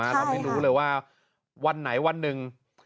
เราไม่รู้เลยว่าวันไหนวันหนึ่ง